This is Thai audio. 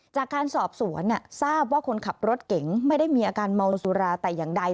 จากการสอบสวนทราบว่าคนขับรถเก๋งไม่ได้มีอาการเมาสุราแต่อย่างใด